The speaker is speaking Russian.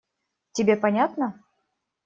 Тебе понятно?